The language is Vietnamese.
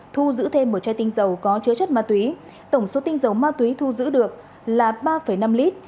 thu giữ thêm một chai tinh dầu có chứa chất ma túy tổng số tinh dầu ma túy thu giữ được là ba năm lít